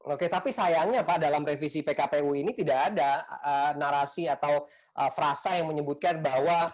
oke tapi sayangnya pak dalam revisi pkpu ini tidak ada narasi atau frasa yang menyebutkan bahwa